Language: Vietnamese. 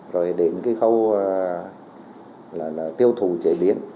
rồi đến khâu tiêu thủ chế biến